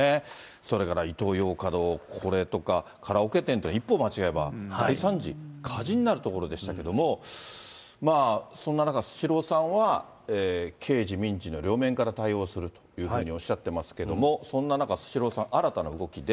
それからイトーヨーカドー、これとかカラオケ店というのは一歩間違えば大惨事、火事になるところでしたけれども、そんな中、スシローさんは刑事、民事の両面から対応するというふうにおっしゃってますけども、そんな中、スシローさん、新たな動きで。